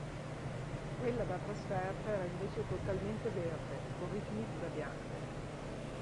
Quella da trasferta era invece totalmente verde, con rifiniture bianche.